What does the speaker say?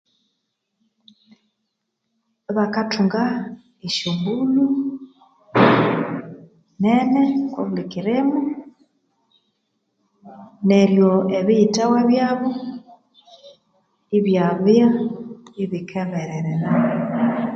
Bakathunga esyombulho nene okobuli kirimo neryo ebiyithawa byabo ibyabya ibikabererera